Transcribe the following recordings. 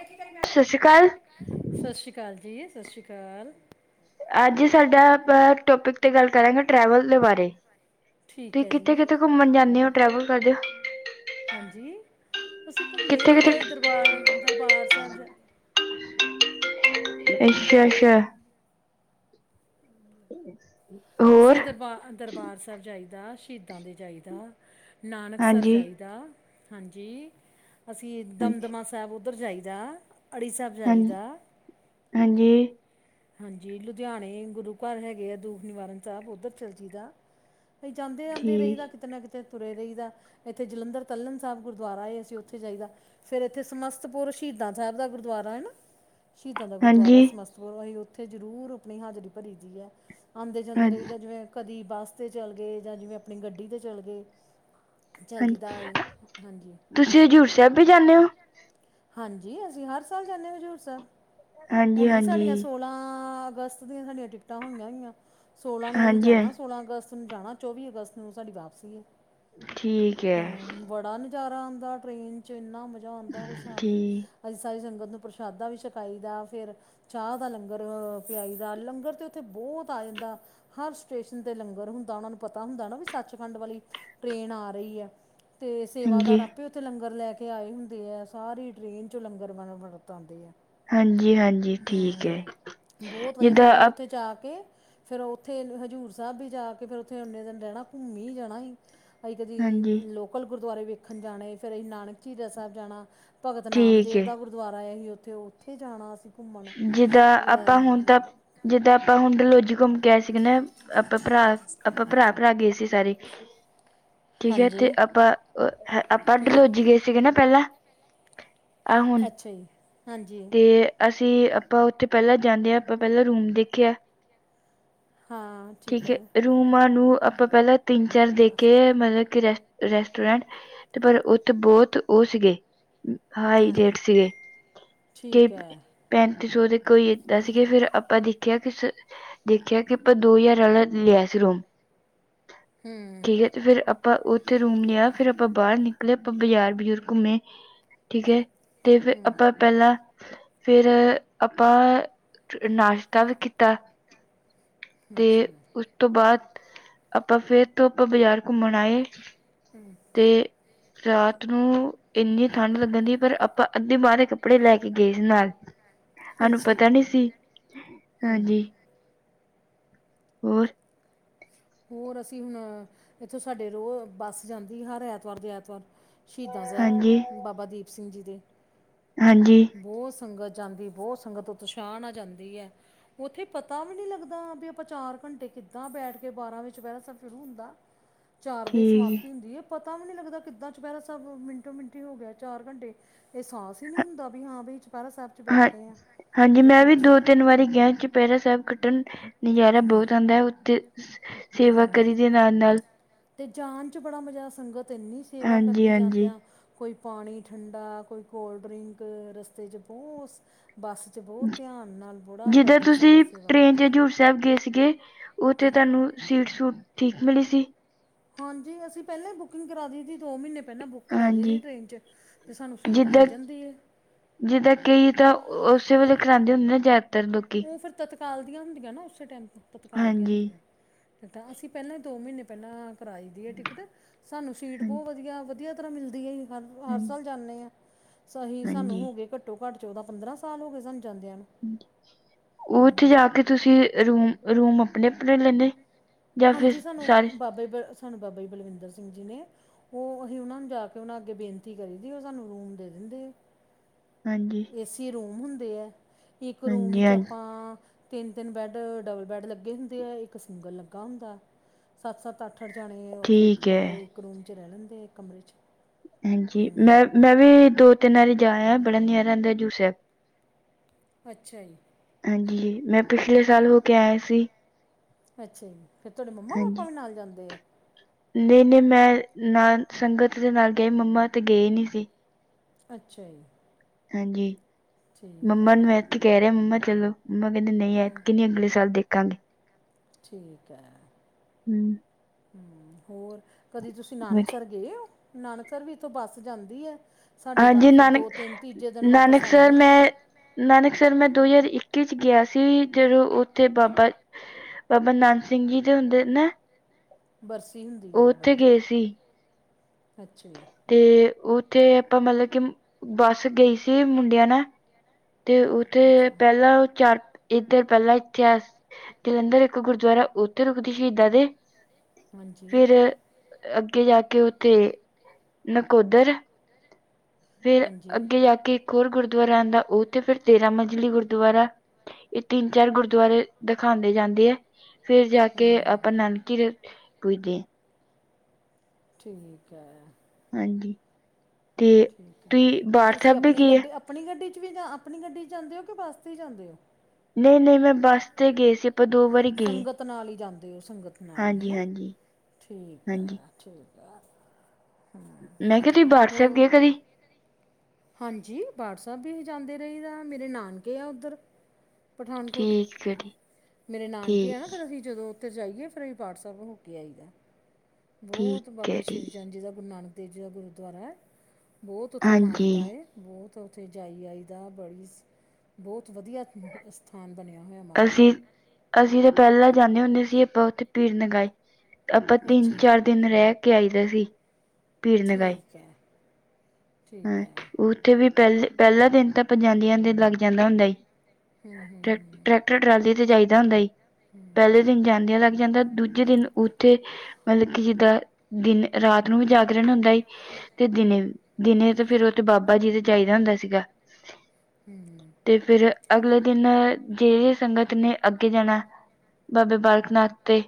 ਇਹ ਕਿ ਕਰੀ ਜਾਂਦਾ ਇਥੇ ਸਤਿ ਸ਼੍ਰੀ ਅਕਾਲ ਸਤਿ ਸ਼੍ਰੀ ਅਕਾਲ ਜੀ, ਸਤਿ ਸ਼੍ਰੀ ਅਕਾਲ। ਅੱਜ ਸਾਡਾ ਟੋਪਿਕ ਤੇ ਗੱਲ ਕਰਾਂਗਾ ਟਰੈਵਲ ਦੇ ਬਾਰੇ। ਠੀਕ ਤੁਸੀ ਹੈ ਜੀ ਕਿੱਥੇ-ਕਿੱਥੇ ਘੁੰਮਣ ਜਾਂਦੇ ਹੋ ਟ੍ਰੈਵਲ ਕਰਦੇ ਹੋ। ਹਾਂਜੀ, ਅਸੀਂ ਘੁੰਮਦੇ ਕਿੱਥੇ ਰਹੀਦਾ ਕਿੱਥੇ ਦਰਬਾਰ-ਦਰਬਾਰ ਸਾਹਿਬ ਜ ਅਛਾੱ-ਅੱਛਾ। ਅਸੀਂ ਦਰਬਾਰ-ਦਰਬਾਰ ਸਾਹਿਬ ਜਾਈਦਾ, ਸ਼ਹੀਦਾਂ ਦੇ ਜਾਈਦਾ। ਨਾਨਕਸਰ ਹਾਂਜੀ ਜਾਈਦਾ ਹਾਂਜੀ, ਅਸੀਂ ਹਾਂਜੀ ਦਮਦਮਾ ਸਾਹਿਬ ਸਾਹਿਬ ਉੱਧਰ ਜਾਈਦਾ, ਅੜੀਸਰ ਸਾਹਿਬ ਹਾਂਜੀ ਜਾਈਦਾ। ਹਾਂਜੀ। ਹਾਂਜੀ, ਲੁਧਿਆਣੇ ਗੁਰੂ ਘਰ ਹੈਗੇ ਆ ਦੂਖ ਨਿਵਾਰਨ ਸਾਹਿਬ ਉੱਧਰ ਚਲੇ ਜਾਈਦਾ। ਅਸੀਂ ਜਾਂਦੇ-ਆਉਦੇ ਠੀਕ ਰਹੀਦਾ ਕਿਤੇ ਨਾ ਕਿਤੇ। ਇੱਥੇ ਤੁਰੇ ਰਹੀ ਦਾ ਇੱਥੇ ਜਲੰਧਰ ਤਲਣ ਸਾਹਿਬ ਗੁਰੂਦੁਆਰਾ ਹੈ, ਅਸੀਂ ਉੱਥੇ ਜਾਈਦਾ। ਫਿਰ ਇੱਥੇ ਸਮਸਤਪੁਰ ਸ਼ਹੀਦਾਂ ਸਾਹਿਬ ਦਾ ਗੁਰੂਦੁਆਰਾ ਹੈ ਨਾ। ਸ਼ਹੀਦਾਂ ਦਾ ਗੁਰੂਦੁਆਰਾ ਹਾਂਜੀ ਸਮਸਤਪੁਰ ਅਸੀਂ ਉੱਥੇ ਜ਼ਰੂਰ ਆਪਣੀ ਹਾਜ਼ਰੀ ਭਰੀ ਦੀ ਹੈ। ਆਉਂਦੇ-ਜਾਂਦੇ ਹਾਂ- ਰਹਿਦਾ ਜਿਵੇਂ ਕਦੀ ਬੱਸ 'ਤੇ ਚਲੇ ਗਏ ਜਾਂ ਜਿਵੇਂ ਆਪਣੀ ਗੱਡੀ 'ਤੇ ਚਲ ਗਏ। ਚਲਜੀ ਦਾ ਹਾਂਜੀ ਹਾਂਜੀ, ਤੁਸੀ ਹਜੂਰ ਸਾਹਿਬ ਵੀ ਜਾਂਦੇ ਹੋ। ਹਾਂਜੀ, ਅਸੀਂ ਹਰ ਸਾਲ ਜਾਂਦੇ ਹਾਂ ਹਜ਼ੂਰ ਸਾਹਿਬ ਹਾਂਜੀ ਹੁਣ ਵੀ ਹਾਂਜੀ ਸਾਡੀਆਂ ਸੋਲਾਂ ਅਗੱਸਤ ਦੀਆਂ ਸਾਡੀਆਂ ਟਿਕਟਾਂ ਹੋਈਆਂ ਹੋਈਆਂ ਸੋਲਾਂ ਨੂੰ ਅਸੀਂ ਹਾਂਜੀ ਹਾਂ- ਜਾਣਾ ਸੋਲਾਂ ਅਗੱਸਤ। ਜਾਣਾ ਚੌਵੀ ਅਗੱਸਤ ਨੂੰ ਸਾਡੀ ਵਾਪਸੀ ਹੈ ਠੀਕ ਹੈ ਹੂੰ ਬੜਾ ਨਜ਼ਾਰਾ ਆਂਦਾ ਟ੍ਰੇਨ ਚ, ਇੰਨਾ ਮਜ਼ਾ ਆਂਦਾ ਕੋਈ ਹਿਸਾਬ ਨਹੀਂ। ਠੀਕ ਅਸੀਂ ਸਾਰੀ ਸੰਗਤ ਨੂੰ ਪ੍ਰਸ਼ਾਦਾ ਵੀ ਛਕਾਈ ਦਾ ਫਿਰ ਚਾਹ ਦਾ ਲੰਗਰ ਖਿਆਈ ਦਾ, ਲੰਗਰ ਤੇ ਉੱਥੇ ਬਹੁਤ ਆ ਜਾਂਦਾ। ਹਰ ਸਟੇਸ਼ਨ ਤੇ ਲੰਗਰ ਹੁੰਦਾ, ਉਹਨਾਂ ਨੂੰ ਪਤਾ ਹੁੰਦਾ ਨਾ ਵੀ ਸੱਚਖੰਡ ਵਾਲੀ ਟ੍ਰੇਨ ਆ ਰਹੀ ਹੈ। ਤੇ ਹਾਂਜੀ ਸੇਵਾਦਾਰ ਆਪਿ ਉ ਤੇ ਲੰਗਰ ਲੈ ਕੇ ਆਏ ਹੁੰਦੇ ਆ, ਸਾਰੀ ਟ੍ਰਰੇਨ ਚੋਂ ਲੰਗਰ ਵਰਤਾਉਂਦੇ ਹੈ। ਹਾਂਜੀ-ਹਾਂਜੀ, ਠੀਕ ਹੈ। ਬਹੁਤ ਵਧੀਆ ਜਿੱਦਾਂ ਫਿਰ ਅਸੀਂ ਅਪ- ਉੱਥੇ ਜਾ ਕੇ ਫਿਰ ਉਥੇ ਹਜ਼ੂਰ ਸਾਹਿਬ ਵੀ ਜਾ ਕੇ ਫਿਰ ਉਥੇ ਓਨੇ ਦਿਨ ਰਹਿਣਾ ਘੁੰਮੀ ਜਾਣਾ ਅਸੀ। ਅਸੀਂ ਕਦੇ ਹਾਂਜੀ ਲੋਕਲ ਗੁਰੂਦੁਆਰੇ ਵੇਖਣ ਜਾਣੇ ਫਿਰ ਅਸੀਂ ਨਾਨਕ ਝੀਰਾ ਸਾਹਿਬ ਜਾਣਾ। ਭਗਤ ਠੀਕ ਨਾਮਦੇਵ ਹੈ ਦਾ ਗੁਰੂਦੁਆਰਾ ਹੈ ਉਥੇ ਉਥੇ ਜਾਣਾ ਅਸੀਂ ਘੁੰਮਣ, ਜਿੱਦਾਂ ਆਪਾਂ ਹੁਣ ਤਾਂ ਜਿੱਦਾਂ ਆਪਾਂ ਹੁਣ ਡਲਹੋਜੀ ਘੁੰਮ ਕੇ ਆਏ ਸੀਗੇ ਨਾ ਅਪਾਂ ਭਰਾ ਅਪਾਂ ਭਰਾ ਭਰਾ ਗਏ ਸੀ ਸਾਰੇ। ਠੀਕ ਹੈ ਹਾਂਜੀ ਤੇ ਆਪਾਂ ਆਪਾਂ ਹੂੰ ਡਲਹੋਜੀ ਗਏ ਸੀਗੇ ਨਾ ਪਹਿਲਾਂ ਐ ਹੁਣ ਅੱਛਾ ਜੀ ਹਾਂਜੀ ਤੇ ਅਸੀਂ ਆਪਾਂ ਉੱਥੇ ਪੈਲਾਂ ਜਾਂਦਯਾ ਆਪਾਂ ਪੈਲਾਂ ਰੂਮ ਦੇਖਿਆ ਹਾਂ ਠੀਕ ਹੈ। ਰੂਮਾਂ ਨੂੰ ਆਪਾਂ ਪੈਲਾਂ ਤਿੰਨ ਚਾਰ ਦਸ ਦੇਖੇ ਮਿੰਟ ਹੈ ਮਤਲੱਬ ਕਿ ਰੈ ਰੈਸਟੋਰੈਂਟ ਤੇ ਪਰ ਉੱਥੇ ਬਹੁਤ ਉਹ ਸੀਗੇ ਹਾਈ ਹਾਂਜੀ ਰੇਟ ਸਿਗੇ ਠੀਕ ਹੈ [unintelligible] ਪੈਂਤੀ ਸੌ ਦੇ ਕੋਈ ਏਦਾਂ ਸੀਗੇ ਫਿਰ ਆਪਾਂ ਦੇਖਿਆ ਕਿਸੇ ਦੇਖਿਆ ਕਿ ਆਪਾਂ ਦੋ ਹਜ਼ਾਰ ਆਲਾ ਲਯਾ ਸੀ ਰੂਂਮ। ਹੂੰ। ਠੀਕ ਹੈ ਤੇ ਫਿਰ ਆਪਾਂ ਉੱਥੇ ਰੂਮ ਲਿਆ ਫਿਰ ਆਪਾਂ ਬਾਹਰ ਨਿਕਲੇ ਆਪਾਂ ਬਾਜ਼ਾਰ ਬਜ਼ੁਰ ਘੁੰਮੇ ਠੀਕ ਹੈ ਤੇ ਫਿਰ ਹੂੰ ਆਪਾਂ ਪਹਿਲਾਂ ਫਿਰ ਆਪਾਂ ਨਾਸ਼ਤਾ ਵੀ ਕੀਤਾ, ਤੇ ਅੱਛਾ ਉਸ ਉਸ ਤੋਂ ਬਾਦ ਆਪਾਂ ਫੇਰ ਤੋਂ ਆਪਾਂ ਬਾਜ਼ਾਰ ਘੁੰਮਣ ਆਏ [unintelligible] ਤੇ ਰਾਤ ਨੂੰ ਇੰਨੀ ਠੰਢ ਲੱਗਣ ਦੀ ਪਰ ਆਪਾਂ ਅੱਧੀ [unintelligible] ਕੱਪੜੇ ਲੈ ਕੇ ਗਏ ਸੀ ਨਾਲ। ਸਾਨੂੰ ਅੱਛਾ ਜੀ ਪਤਾ ਨੀ ਸੀ। ਹੂੰ ਹਾਂਜੀ ਹੋਰ? ਹੋਰ ਅਸੀਂ ਹੁਣ ਇੱਥੋਂ ਸਾਡੇ ਰੋਜ਼ ਬੱਸ ਜਾਂਦੀ ਹਰ ਐਤਵਾਰ ਦੇ ਐਤਵਾਰ। ਸ਼ਹੀਦਾਂ ਹਾਂਜੀ ਸਾਹਿਬ ਬਾਬਾ ਦੀਪ ਸਿੰਘ ਜੀ ਦੇ। ਹਾਂਜੀ। ਬਹੁਤ ਸੰਗਤ ਜਾਂਦੀ ਬਹੁਤ ਸੰਗਤ ਉਤਸ਼ਾਹ ਨਾਲ ਜਾਂਦੀ ਹੈ। ਉੱਥੇ ਪਤਾ ਵੀ ਨੀ ਲੱਗਦਾ ਬਈ ਆਪਾਂ ਚਾਰ ਘੰਟੇ ਕਿੱਦਾਂ ਬੈਠ ਤੇ ਬਾਰਾਂ ਵਜੇ ਦੁਪਹਿਰਾ ਸਾਬ ਸ਼ੁਰੂ ਹੁੰਦਾ ਚਾਰ ਵਜੇ ਸਮਾਪਤੀ ਠੀਕ ਹੁੰਦੀ ਏ। ਪਤਾ ਵੀ ਨੀ ਲੱਗਦਾ ਕਿੱਦਾਂ ਦੁਪਹਿਰਾ ਸਹਿਬ ਮਿੰਟੋ ਮਿੰਟੀ ਹੋ ਗਿਆ ਚਾਰ ਘੰਟੇ ਅਹਸਾਸ ਹੀ ਨਹੀਂ ਹੁੰਦਾ ਬਈ ਹਾਂ ਬਈ ਚੁਪਹਿਰਾ ਸਾਹਿਬ 'ਚ ਹਾਂ ਬੈਠੇ ਆ ਹਾਂਜੀ ਜਾਂ ਮੈਂ ਵੀ ਕੁਛ ਦੋ ਤਿੰਨ ਵਾਰੀ ਗਿਆ ਚੁਪਹਿਰਾ ਸਹਿਬ ਕੱਟਣ ਨਜ਼ਾਰਾ ਬਹੁਤ ਆਂਦਾ ਹੈ ਉੱਥੇ ਸੇਵਾ ਹੂੰ ਕਰੀ ਦੀ ਏ ਨਾਲ- ਨਾਲ। ਤੇ ਜਾਨ ਚ ਬੜਾ ਮਜ਼ਾ ਸੰਗਤ ਇਨੀ ਸੇਵਾ ਹਾਂਜੀ ਕਰਦੀ ਹਾਂਜੀ ਜਾਂਦਿਆਂ ਕੋਈ ਪਾਣੀ ਠੰਡਾ ਕੋਈ ਕੋਲਡ ਡਰਿੰਕ ਰਸਤੇ 'ਚ ਬਹੁਤ ਬੱਸ 'ਚ ਬਹੁਤ ਧਿਆਨ ਨਾਲ ਬੜਾ ਜਦੋਂ ਕਰਦੀ ਸੰਗਤ ਤੁਸੀਂ ਸੇਵਾ ਟ੍ਰੇਨ ਚ ਕਰਦੀ ਹਜ਼ੂਰ ਸਾਹਿਬ ਗਏ ਸੀਗੇ ਉੱਥੇ ਤੂਵਾਨੂ ਸੀਟ ਸੂਟ ਠੀਕ ਮਿਲੀ ਸੀ? ਹਾਂਜੀ ਅਸੀ ਪਹਿਲਾਂ ਈ ਬੁਕਿੰਗ ਕਰਾ ਲੀ ਸੀ ਦੋ ਮਹੀਨੇ ਪਹਿਲਾਂ ਬੁਕ ਬੁੱਕ ਕਰਾ ਦੇਈ ਦੀ ਹਾਂਜੀ ਟ੍ਰਰੇਨ 'ਚ ਤੇ ਸਾਨੂੰ ਸੀਟ ਮਿਲ ਜਿੱਦਾਂ ਜਾਂਦੀ ਏ। ਜਿੱਦਾਂ ਕਈ ਤਾਂ ਉਸੇ ਵੇਲੇ ਕਰਾਂਦੇ ਹੁੰਦੇ ਨਾ ਜਦ ਉ ਫਿਰ ਤਤਕਾਲ ਦੀਆਂ ਹੁੰਦੀਆਂ ਨਾ ਉਸੇ ਟਾਈਮ ਤਤਕਾਲ ਦੀਆਂ ਹਾਂਜੀ ਹੁੰਦੀਆਂ। ਟਿਕਟਾਂ ਅਸੀਂ ਪਹਿਲਾਂ ਦੋ ਮਹੀਨੇ ਪਹਿਲਾਂ ਕਰਾਈ ਦੀ ਏ ਟਿਕਟ ਸਾਨੂੰ ਸੀਟ ਹਾਂਜੀ ਬਹੁਤ ਵਧੀਆ, ਵਧੀਆ ਤਰ੍ਹਾਂ ਮਿਲਦੀ ਏ ਹਰ ਹਰ ਹਾਂਜੀ, ਸਾਲ ਜਾਂਨੇ ਆਂ ਸਹੀ ਸਾਨੂੰ ਹਾਂਜੀ ਹੋ ਗਏ ਘੱਟੋ ਘੱਟ ਚੌਦਾਂ ਪੰਦਰਾਂ ਸਾਲ ਹੋ ਗਏ ਸਾਨੂੰ ਜਾਂਦਿਆਂ ਨੂੰ। ਹੂੰ ਉੱਥੇ ਜਾ ਕੇ ਤੁਸੀ ਰੂਮ-ਰੂਮ ਆਪਣੇ ਆਪਣੇ ਲੈਂਨੇ? ਹਾਂਜੀ ਸਾਨੂੰ ਬਾਬੇ ਸਾਨੂੰ ਬਾਬਾ ਬਲਵਿੰਦਰ ਸਿੰਘ ਜੀ ਨੇ ਉਹ ਅਸੀਂ ਉਹਨਾਂ ਨੂੰ ਜਾ ਕੇ ਉਹਨਾਂ ਅੱਗੇ ਬੇਨਤੀ ਕਰੀ ਦੀ ਏ ਉਹ ਸਾਨੂੰ ਰੂਮ ਦੇ ਦਿੰਦੇ ਹੈ। ਹਾਂਜੀ। ਏਸੀ ਰੂਮ ਹੁੰਦੇ ਹੈ ਇੱਕ ਰੂਮ ਹਾਂਜੀ ਚ ਹਾਂਜੀ ਆਪਾਂ ਤਿੰਨ ਤਿੰਨ ਬੈਡ ਡਬਲ ਬੈਡ ਲੱਗੇੇ ਹੁੰਦੇ ਆ ਇੱਕ ਸਿੰਗਲ ਲੱਗਾ ਹੁੰਦਾ। ਸੱਤ-ਸੱਤ, ਅੱਠ-ਅੱਠ ਜਾਣੇ ਉੱਥੇ ਇੱਕ ਠੀਕ ਹੈ ਕਮਰੇ ਇੱਕ ਰੂਮ 'ਚ ਰਹਿ ਲੈਂਦੇ ਆ ਇੱਕ ਕਮਰੇ 'ਚ। ਹਾਂਜੀ ਹੂੰ ਮੈਂ ਮੈਂ ਵੀ ਦੋ ਤਿੰਨ ਵਾਰੀ ਜਾਇ ਬੜਾ ਨਾਰਾ ਆਉਂਦਾ ਹਜੂਰ ਸਾਹਿਬ। ਅੱਛਾ ਜੀ। ਹਾਂਜੀ ਮੈਂ ਪਿਛਲੇ ਸਾਲ ਹੋ ਕੇ ਆਇਆ ਸੀ। ਅੱਛਾ ਜੀ ਫਿਰ ਤੁਹਾਡੇ ਮੰਮਾ ਪਾਪਾ ਹਾਂਜੀ ਵੀ ਨਾਲ ਜਾਂਦੇ ਆ। ਨਹੀਂ ਨਹੀਂ ਮੈਂ ਨਾਲ ਸੰਗਤ ਦੇ ਨਾਲ ਗਏ ਮੰਮਾ ਤੇ ਗਏ ਨੀ ਸੀ। ਅੱਛਾ ਜੀ, ਹਾਂਜੀ, ਠੀਕ ਮੰਮਾ ਹੈ ਨੂੰ ਮੈਂ ਇੱਥੇ ਕਹਿ ਰਿਹਾ ਮੰਮਾ ਚਲੋ ਮੰਮਾ ਕਹਿੰਦੀ ਨਹੀਂ ਹੂੰ ਐਤਕੀ ਨਾਇਬਅਗਲੇ ਸਾਲ ਦੇਖਾਂਗੇ। ਠੀਕ ਹੈ ਹਮ, ਹੂੰ ਹੋਰ ਕਦੀ ਤੁਸੀਂ। ਤੁਸੀਂ ਨਾਨਕਸਰ ਵਧੀਆ। ਗਏ ਹੋ ਨਾਨਕਸ ਵੀ ਇੱਥੋਂ ਬੱਸ ਜਾਂਦੀ ਐ। ਸਾਡੇ ਤਾਂ ਹਾਂਜੀ ਫਿਰ ਨਾਨਕ ਦੋ ਤਿੰਨ ਤੀਜੇ ਦਿਨ ਵਾਪਿਸ ਆਂਦੇ ਆ। ਨਾਨਕਸ ਮੈਂ ਦੋ ਹਜ਼ਾਰ ਇੱਕੀ ਚ ਗਿਆ ਸੀ ਜਦੋਂ ਉੱਥੇ ਬਾਬਾ ਬਾਬਾ ਨਾਨਕ ਸਿੰਘ ਜੀ ਦੇ ਹੁੰਦੇ ਨਾ। ਨੇ ਬਰਸੀ ਹੁੰਦੀ ਆ ਉਹ ਬਾਬਾ ਉੱਥੇ ਜੀ ਦੀ ਗਏ ਸੀ ਅੱਛਾ ਜੀ। ਤੇ ਉੱਥੇ ਆਪਾਂ ਮਤਲਬ ਕਿ ਬੱਸ ਗਈ ਸੀ ਮੁੰਡਿਆਂ ਨਾਲ। ਤੇ ਉੱਥੇ ਪਹਿਲਾਂ ਚਾਰ ਇੱਧਰ ਪਹਿਲਾਂ ਇਤਹਾਸ ਜਲੰਧਰ ਇੱਕ ਗੁਰਦੁਆਰਾ ਉੱਥੇ ਰੁਕਦੀ ਸ਼ਹੀਦਾਂ ਦੇ ਦੇ ਹਾਂਜੀ ਫਿਰ ਅੱਗੇ ਜਾ ਕੇ ਉੱਥੇ ਨਕੋਦਰ। ਫੇਰ ਹਾਂਜੀ। ਅੱਗੇ ਜਾ ਕੇ ਇੱਕ ਹੋਰ ਗੁਰਦੁਆਰਾ ਆਉਂਦਾ ਉਹ ਤੇ ਫੇਰ ਤੇਰਾ ਮੰਜਲੀ ਗੁਰਦੁਆਰਾ ਇਹ ਤਿੰਨ ਚਾਰ ਗੁਰਦੁਆਰੇ ਦਿਖਾਦੇ ਜਾਂਦੇ ਆ। ਫੇਰ ਜਾ ਕੇ ਹੂੰ, ਆਪਾਂ ਨਾਨਕੀ ਦੇ ਪੁੱਜਦੇ ਆ। ਠੀਕ ਐ। ਹਾਂਜੀ ਤੇ ਠੀਕ ਐ। ਤੁਸੀਂ ਤੇ ਬਾਰ ਤੁਸੀਂ ਸਾਹਿਬ ਵੀ ਆਪਣੀ ਗਏ ਆ। ਗੱਡੀ ਆਪਣੀ ਗੱਡੀ 'ਚ ਵੀ ਜਾਂ ਆਪਣੀ ਗੱਡੀ 'ਚ ਜਾਂਦੇ ਹੋ ਕਿ ਬੱਸ 'ਤੇ ਹੀ ਜਾਂਦੇ ਹੋ। ਨਹੀਂ ਨਹੀਂ ਮੈਂ ਬੱਸ ਤੇ ਗਏ ਸੀ ਆਪਾਂ ਦੋ ਵਾਰੀ ਗਏ। ਤੇ ਨਾਲ ਹੀ ਜਾਂਦੇ ਉਹ ਸੰਗਤ ਨਾਲ ਹੀ ਹਾਂਜੀ ਹੈਨਾ ਹਾਂਜੀ ਠੀਕ ਹਾਂਜੀ ਐ ਠੀਕ ਐ। ਮੈਂ ਕਿਹਾ ਤੁਸੀਂ ਬਾਠ ਸਾਹਿਬ ਹੋਰ ਗਏ ਕਦੀ। ਹਾਂਜੀ ਬਾਠ ਸਾਹਿਬ ਵੀ ਜਾਂਦੇ ਰਹੀਦਾ ਮੇਰੇ ਨਾਨਕੇ ਆ ਉੱਧਰ। ਪਠਾਨਕੋਟ ਠੀਕ ਹੈ ਜੀ ਮੇਰੇ ਨਾਨਕੇ ਆ ਨਾ ਠੀਕ ਫਿਰ ਅਸੀਂ ਜਦੋਂ ਉ ਜਾਈਏ ਫਿਰ ਬਾਠ ਸਾਹਿਬ ਹੋ ਕੇ ਆਈ ਦਾ ਬਹੁਤ ਠੀਕ ਹੈ ਬਾਬਾ ਸ਼੍ਰੀ ਚੰਦ ਜੀ ਦਾ ਗੁਰੂ ਨਾਨਕ [unintelligible] ਗੁਰਦੁਆਰਾ ਬਹੁਤ ਉੱਥੇ ਮਾਨ ਹਾਂਜੀ ਬਹੁਤ ਉੱਥੇ ਜਾਈ ਆਈ ਦਾ ਬਈ ਬਹੁਤ ਵਧੀਆ [inaudible] ਸਥਾਨ ਬਣਿਆ ਹੋਇਆ ਮਹਾਰਾਜ ਦਾ। ਅਸੀਂ ਅਸੀਂ ਤਾਂ ਪਹਿਲਾਂ ਜਾਂਦੇ ਹੁੰਦੇ ਸੀ ਆਪਾਂ ਉੱਥੇ ਪੀੜਨ ਗਏ ਆਪਾਂ ਤਿੰਨ ਅੱਛਾ ਜੀ। ਚਾਰ ਦਿਨ ਰਹਿ ਕੇ ਆਈ ਦਾ ਸੀ। ਪੀਰ ਨਗਾਏ ਠੀਕ ਐ। ਹਾਂ ਉੱਥੇ ਵੀ ਪਹਿਲੇ ਪਹਿਲਾ ਦਿਨ ਤਾਂ ਆਪਾਂ ਨੂੰ ਜਾਂਦੇ ਲੱਗ ਜਾਂਦਾ। ਹੂੰ ਹੂੰ ਟਰੈ- ਹੂੰ, ਟਰੈਕਟਰ ਟਰਾਲੀ ਤੇ ਜਾਈਦਾ ਹੁੰਦਾ। ਪਹਿਲੇ ਦਿਨ ਜਾਂਦਿਆਂ ਲੱਗ ਜਾਂਦਾ ਦੂਜੇ ਦਿਨ ਉੱਥੇ ਮਤਲਬ ਕਿ ਜਿੱਦਾਂ ਦਿਨ ਰਾਤ ਨੂੰ ਵੀ ਜਾਗਰਣ ਹੁੰਦਾ ਤੇ ਦਿਨੇ ਦਿਨੇ ਤੇ ਫੇਰ ਉਹ ਤੇ ਬਾਬਾ ਜੀ ਤੇ ਜਾਈਦਾ ਹੁੰਦਾ ਸੀਗਾ। ਹੂੰ, ਤੇ ਫਿਰ ਅਗਲੇ ਦਿਨ ਜਿਹੜੀ ਸੰਗਤ ਨੇ ਅੱਗੇ ਜਾਣਾ। ਬਾਬ ਬਾਲਕ ਨਾਥ ਤੇ।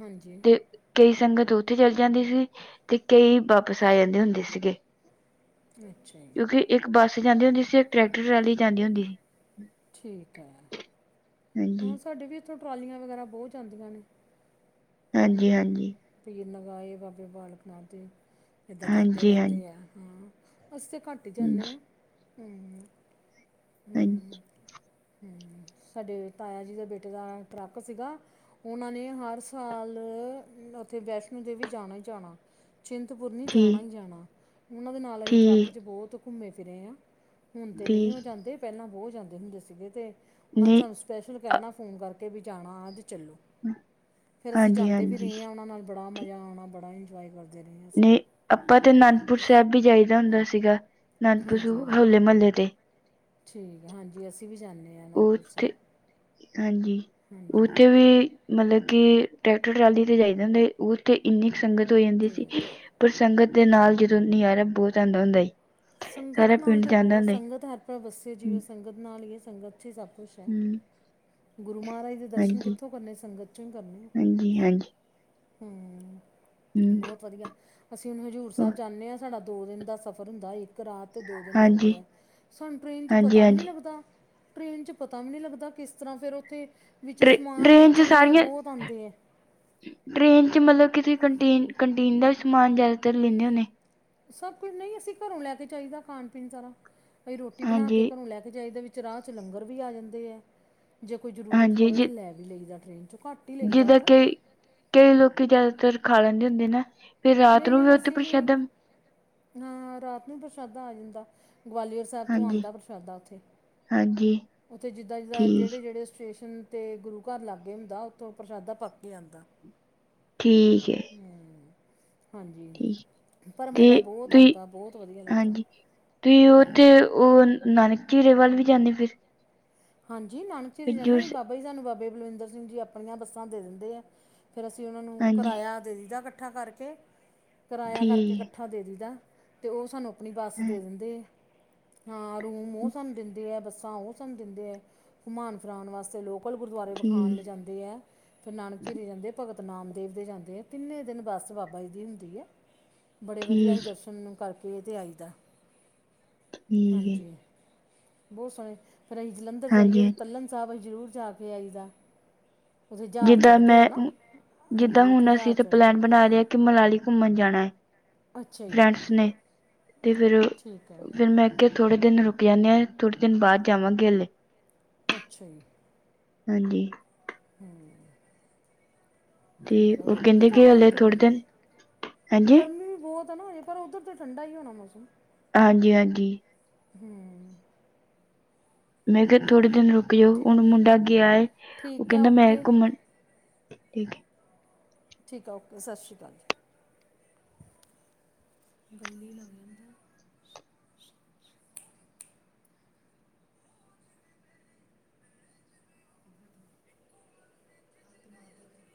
ਹਾਂਜੀ, ਤੇ ਕਈ ਸੰਗਤ ਉੱਥੇ ਚੱਲ ਜਾਂਦੀ ਸੀ ਤੇ ਕਈ ਵਾਪਿਸ ਆ ਜਾਂਦੇ ਹੁੰਦੇ ਸੀਗੇ। ਅੱਛਾ ਜੀ, ਕਿਉਂਕਿ ਇੱਕ ਬੱਸ ਜਾਂਦੀ ਹੁੰਦੀ ਸੀ ਇੱਕ ਟਰੈਕਟਰ ਟਰਾਲੀ ਜਾਂਦੀ ਹੁੰਦੀ ਸੀ। ਠੀਕ ਐ। ਹਾਂ ਹਾਂਜੀ ਸਾਡੇ ਵੀ ਇੱਥੋਂ ਟਰਾਲੀਆਂ ਵਗੈਰਾ ਬਹੁਤ ਜਾਂਦੀਆਂ ਨੇ ਹਾਂਜੀ ਹਮ ਹਾਂਜੀ ਭ ਇਨਾ ਗਏ ਇਹ ਬਾਬੇ ਬਾਲਕ ਨਾਥ ਤੇ ਏਦਾਂ ਜਾਦੇ ਹਾਂਜੀ ਰਹਿੰਦੇ ਆ ਹਮ ਅਸੀਂ ਘੱਟ ਹੀ ਜਾਨੇ ਹਾਂਜੀ ਹਾਂ ਹਮ ਹਾਂਜੀ ਹਮ ਹਮ ਸਾਡੇ ਤਾਇਆ ਜੀ ਦੇ ਬੇਟੇ ਦਾ ਟਰੱਕ ਸੀਗਾ ਉਹਨਾਂ ਨੇ ਹਰ ਸਾਲ ਉੱਥੇ ਵੈਸ਼ਨੋ ਦੇਵੀ ਜਾਣਾ ਹੀ ਜਾਣਾ ਚਿੰਤਪੁਰਨੀ ਜਾਣਾ ਠੀਕ ਹੀ ਜਾਣਾ ਉਹਨਾਂ ਦੇ ਨਾਲ ਅਸੀਂ ਟਰੱਕ ਠੀਕ 'ਚ ਬਹੁਤ ਘੁੰਮੇ ਫਿਰੇ ਹਾਂ ਹੁਣ ਤਾਂ ਨਹੀਂ ਠੀਕ ਓਹ ਜਾਂਦੇ ਪਹਿਲਾਂ ਬਹੁਤ ਜਾਂਦੇ ਹੁੰਦੇ ਸੀਗੇ ਅਤੇ ਨਹੀਂ ਉਹ [unintelligible] ਸਪੈਸ਼ਲ ਕਹਿਣਾ ਫੋਨ ਕਰਕੇ ਵੀ ਜਾਣਾ ਆ ਅਜ ਚੱਲੋ ਅ- ਫਿਰ ਅਸੀਂ ਹਾਂਜੀ ਜਾਂਦੇ ਵੀ ਹਾਂਜੀ ਰਹੇ ਹਾਂ ਉਹਨਾਂ ਨਾਲ ਬੜਾ ਠੀਕ ਮਜ਼ਾ ਆਉਣਾ ਬੜਾ ਇੰਜੋਏ ਕਰਦੇ ਰਹੇ ਅਸੀ ਨਹੀਂ ਆਪਾਂ ਤੇ ਹਾਂ ਅਨੰਦਪੁਰ ਸਾਹਿਬ ਵੀ ਜਾਈਦਾ ਹੁੰਦਾ ਸੀਗਾ ਅਨੰਦਪੁਰ ਹਾਂਜੀ ਹੋਲੇ ਮਹੱਲੇ ਤੇ ਠੀਕ ਹਾਂਜੀ ਅਸੀਂ ਵੀ ਜਾਂਦੇ ਆਂ ਉੱਥੇ ਹਾਂਜੀ ਹਾਂਜੀ ਉੱਥੇ ਵੀ ਮਤਲਬ ਕਿ ਟਰੈਕਟਰ ਟਰਾਲੀ ਤੇ ਜਾਈਦਾ ਹੁੰਦਾ ਉਸਤੇ ਤੇ ਇੰਨੀ ਕੁ ਸੰਗਤ ਹੋ ਜਾਂਦੀ ਸੀ ਠੀਕ ਹੈ ਪਰ ਸੰਗਤ ਦੇ ਨਾਲ ਜਦੋਂ ਨਜਾਰਾ ਬਹੁਤ ਆਉਂਦਾ ਹੁੰਦਾ ਸਾਰਾ ਸੰਗਤ ਨਾਲ ਪਿੰਡ ਤਾਂ ਜਾਂਦਾ ਬਹੁਤ ਹੁੰਦਾ ਸੀ ਸੰਗਤ ਹਰ ਪ੍ਰਭ ਵਸੈ ਹਮ, ਜੀਓ ਸੰਗਤ ਨਾਲ ਹੀ ਹੈ ਸੰਗਤ 'ਚ ਹੀ ਸਭ ਕੁਛ ਹੈ ਹਮ ਗੁਰੂ ਮਹਾਰਾਜ ਦੇ ਦਰਸ਼ਨ ਹਾਂਜੀ ਕਿੱਥੋਂ ਕਰਨੇ ਸੰਗਤ ਚੋਂ ਹੀ ਕਰਨੇ ਹਾਂਜੀ ਹਾਂਜੀ ਹਮ ਹਮ, ਬਹੁਤ ਵਧੀਆ ਅਸੀਂ ਹੁਣ ਹਜ਼ੂਰ ਉਹ, ਸਾਹਿਬ ਜਾਂਦੇ ਹਾਂ ਸਾਡਾ ਦੋ ਦਿਨ ਦਾ ਸਫ਼ਰ ਹੁੰਦਾ ਏ ਇੱਕ ਰਾਤ ਤੇ ਦੋ ਦਿਨ ਹਾਂਜੀ ਲੱਗਦੇ ਆ ਸਾਨੂੰ ਟ੍ਰੇਨ ਚ ਹਾਂਜੀ ਪਤਾ ਵੀ ਨਹੀਂ ਹਾਂਜੀ ਲੱਗਦਾ ਟਰੇੇਨ 'ਚ ਪਤਾ ਵੀ ਨਹੀਂ ਲੱਗਦਾ ਕਿਸ ਤਰ੍ਹਾਂ ਫਿਰ ਉੱਥੇ ਵਿੱਚ ਟਰੇ ਸਮਾਨ ਟ੍ਰੇਨ 'ਚ ਵੇਚਣ ਵਾਲੇ ਸਾਰੀਆਂ ਬਹੁਤ ਆਉਂਦੇ ਹੈ ਟ੍ਰੇਨ ਚ ਮਤਲਬ ਕਿ ਤੁਸੀਂ ਕੰਟੀਨ ਕੰਟੀਨ ਦਾ ਸਮਾਨ ਜ਼ਿਆਦਾਤਰ ਲੈਂਦੇ ਹੁੰਦੇ ਸਭ ਕੁਝ ਨਹੀਂ ਅਸੀਂ ਘਰੋਂ ਲੈ ਕੇ ਜਾਈਦਾ ਖਾਣ ਪੀਣ ਸਾਰਾ ਕੋਈ ਰੋਟੀ ਬਣਾ ਹਾਂਜੀ ਕੇ ਘਰੋਂ ਲੈ ਕੇ ਜਾਈਦਾ ਚ ਰਾਹ ਲੰਗਰ ਵੀ ਆ ਜਾਂਦੇ ਹੈ ਜੇ ਕੋਈ ਜ਼ਰੂਰਤ ਹਾਂਜੀ ਪਵੇ ਜਿ ਤਾਂ ਲੈ ਵੀ ਲਈਦਾ ਟਰੇਨ ਚੋਂ ਘੱਟ ਹੀ ਲਈਦਾ ਉਹ ਜਿੱਦਾਂ ਤਾਂ ਕ ਕਈ ਲੋਕ ਜ਼ਿਆਦਾਤਰ ਖਾ ਲੈਂਦੇ ਹੁੰਦੇ ਨਾ ਫਿਰ ਰਾਤ ਨੂੰ ਵੀ ਉੱਥੇ ਪ੍ਰਸ਼ਾਦਾ ਹ ਰਾਤ ਨੂੰ ਪ੍ਰਸ਼ਾਦਾ ਆ ਜਾਂਦਾ ਗਵਾਲੀਅਰ ਸਾਹਿਬ ਤੋਂ ਹਾਂਜੀ ਆਉਂਦਾ ਪ੍ਰਸ਼ਾਦਾ ਉੱਥੇ ਹਾਂਜੀ ਉੱਥੇ ਜਿੱਦਾਂ ਜਿੱਦਾਂ ਠੀਕ ਜਿਹੜੇ ਜਿਹੜੇ ਸਟੇਸ਼ਨ ਅਤੇ ਗੁਰੂ ਘਰ ਲਾਗੇ ਹੁੰਦਾ ਉੱਥੋਂ ਪ੍ਰਸ਼ਾਦਾ ਪੱਕ ਕੇ ਆਉਂਦਾ ਠੀਕ ਹੈ ਹਮ ਹਾਂਜੀ ਠੀਕ ਪਰ ਮਜ਼ਾ ਤੇ ਬਹੁਤ ਆਉਂਦਾ ਬਹੁਤ ਵਧੀਆ ਲੱਗਦਾ ਤੇ ਉੱਥੇ ਹਾਂਜੀ ਉਹ ਨਾਨਕ ਚੇਰੇ ਵੱਲ ਵੀ ਜਾਂਦੇ ਫਿਰ ਹਾਂਜੀ ਨਾਨਕ ਜ ਜਾਂਦੇ ਹਜ਼ੂਰ ਜੀ ਸ ਬਾਬਾ ਜੀ ਸਾਨੂੰ ਬਾਬੇ ਬਲਵਿੰਦਰ ਸਿੰਘ ਜੀ ਆਪਣੀਆਂ ਬੱਸਾਂ ਦੇ ਦਿੰਦੇ ਆ ਫਿਰ ਅਸੀਂ ਉਹਨਾਂ ਨੂੰ ਹਾਂਜੀ ਕਿਰਾਇਆ ਦੇ ਦਿੱਤਾ ਇਕੱਠਾ ਕਰਕੇ ਕਿਰਾਇਆ ਕਰਕੇ ਇਕੱਠਾ ਠੀਕ ਮੱਠਾ ਦੇ ਦੀਦਾ ਅਤੇ ਉਹ ਸਾਨੂੰ ਆਪਣੀ ਵੱਸ ਹੈ ਦੇ ਹਾਂ, ਦਿੰਦੇ ਹਾਂ ਰੂਮ ਉਹ ਸਾਨੂੰ ਦਿੰਦੇ ਹੈ ਬੱਸਾਂ ਉਹ ਸਾਨੂੰ ਦਿੰਦੇ ਹੈ ਘੁਮਾਣ ਫਿਰਾਉਣ ਵਾਸਤੇ ਲੋਕ ਲ ਗੁਰਦੁਆਰੇ ਵਿਖਾਣ ਲਿਜ ਠੀਕ ਜਾਂਦੇ ਹੈ ਫਿਰ ਨਾਨਕ ਜੀਰੇ ਜਾਂਦੇ ਆ ਭਗਤ ਨਾਮਦੇਵ ਦੇ ਜਾਂਦੇ ਆ ਤਿੰਨੇ ਦਿਨ ਬੱਸ ਬਾਬਾ ਜੀ ਦੀ ਹੁੰਦੀ ਆ ਠੀਕ ਬੜੇ ਵਧੀਆ ਹੀ ਠੀਕ ਦਰਸ਼ਨ ਨੂੰ ਕਰਕੇ ਇਹਦੇ ਆਈ ਦਾ ਹੈ ਜੀ। ਹਾਂਜੀ ਬਹੁਤ ਸੋਹਣੇ ਫਿਰ ਅਸੀਂ ਜਲੰਧਰ ਹਾਂਜੀ ਜਾਈਏ ਹਾਂਜੀ। ਤਲਣ ਸਾਹਿਬ ਅਸੀਂ ਜ਼ਰੂਰ ਜਾ ਕੇ ਪੇਆਈ ਦਾ ਜਿੱਦਾਂ ਮੈਂ ਜਿੱਦਾਂ ਹਾਂਜੀ ਉੱਥੇ ਹੁਣ ਅਸੀਂ ਜਹਾਜ਼ ਚੜ੍ਹਦੇ ਪਲੈਨ ਬਣਾ ਰਹੇ ਹਾਂ ਕਿ ਮਨਾਲੀ ਘੁੰਮਣ ਜਾਣਾ ਹੈ ਅੱਛਾ ਜੀ ਫਰੈਂਡਸ ਨੇ ਤੇ ਫਿਰ ਠੀਕ ਹੈ ਫਿਰ ਮੈਂ ਕੇ ਥੋੜੇ ਦਿਨ ਰੁਕ ਜਾਂਦੇ ਆ ਥੋੜੇ ਦਿਨ ਬਾਅਦ ਜਾਵਾਂਗੇ ਹੱਲਲੇ ਅੱਛਾ ਜੀ ਹਾਂਜੀ ਹਮ ਤੇ ਠੀਕ ਆ ਉਹ ਰੁਕ ਕੇ ਕਹਿੰਦੇ ਕਿ ਜਾਣਾ ਸੀ ਹਲੇ ਥੋੜ੍ਹੇ ਥੋੜੇ ਦਿਨ ਜਿਹੇ ਹਾਂਜੀ ਗਰਮੀ ਵੀ ਬਹੁਤ ਤਾਂ ਨਾ ਹੋ ਜਾ ਪਰ ਉੱਧਰ ਤਾਂ ਠੰਡਾ ਹੀ ਹੋਣਾ ਮੌਸਮ ਹਾਂਜੀ-ਹਾਂਜੀ। ਹੂੰ। ਮੈਂ ਕਿਹਾ, ਥੋੜੇ ਦਿਨ ਰੁਕ ਜਾਓ ਠੀ ਹੁਣ ਮੁੰਡਾ ਗਿਆ ਹੈ ਉਹ ਠੀਕ ਹੈ ਕਹਿੰਦਾ ਮੈਂ ਓਕੇ ਘੁੰਮਣ ਠੀਕ ਹੈ। ਠੀਕ ਆ, ਓਕੇ ਸਤਿ ਸ਼੍ਰੀ ਅਕਾਲ ਜੀ ਗ [unintelligible]